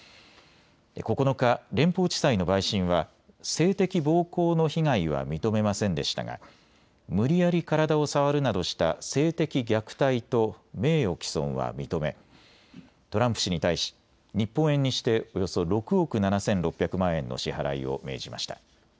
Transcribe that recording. ９日、連邦地裁の陪審は性的暴行の被害は認めませんでしたが無理やり体を触るなどした性的虐待と名誉毀損は認め、トランプ氏に対し日本円にしておよそ６億７６００万円の支払いを命じました。